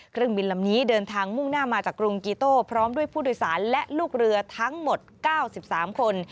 เครื่องบินลำนี้เดินทางมุ่งหน้ามาจากกรุงกีโต้พร้อมด้วยผู้โดยสารและลูกเรือทั้งหมด๙๓คน